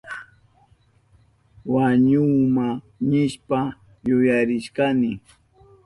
Wañuhuma nishpa yuyarishkani.